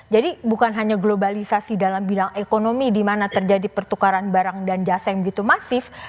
jadi bukan hanya globalisasi dalam bidang ekonomi di mana terjadi pertukaran barang dan jasa yang gitu masif